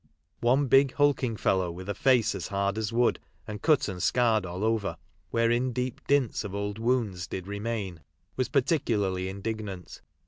One big hulking fellow, with a face as hard as wood, and cut and scarred all over,^ " wherein deep dints of old wounds did remain," was particularly indignant.